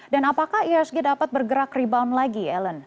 dan apakah ihsg dapat bergerak rebound lagi ellen